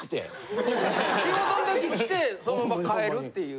仕事のとき来てそのまま帰るっていう。